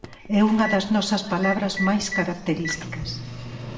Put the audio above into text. É unha das nosa palabras máis características.